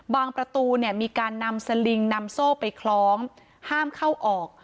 ประตูเนี่ยมีการนำสลิงนำโซ่ไปคล้องห้ามเข้าออก